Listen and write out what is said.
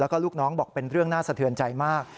แล้วก็ลูกน้องบอกเป็นเรื่องน่าสะเทือนใจมาก